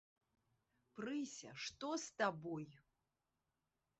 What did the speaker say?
Прыся, што з табой?